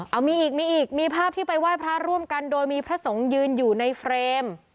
เอามีอีกมีอีกมีภาพที่ไปไหว้พระร่วมกันโดยมีพระสงฆ์ยืนอยู่ในเฟรม